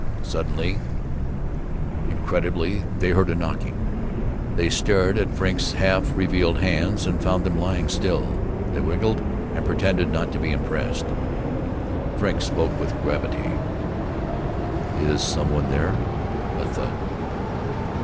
Suddenly, incredibly, they heard a knocking. They stared at Frink's half revealed hands and found them lying still. They wriggled, and pretended not to be impressed. Frink spoke with gravity: "Is some one there?" A thud.